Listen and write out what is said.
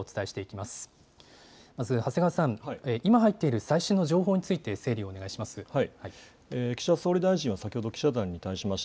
まず長谷川さん、今入っている最新の情報について整理をお願いします。